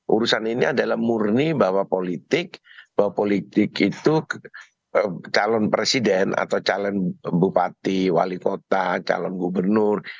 urusan ini adalah murni bahwa politik bahwa politik itu calon presiden atau calon bupati wali kota calon gubernur